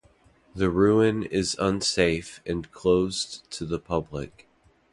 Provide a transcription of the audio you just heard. The ruin is unsafe and closed to the public.